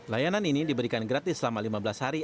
layanan ini diberikan gratis selama lima belas hari